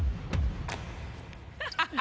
ハハハハ！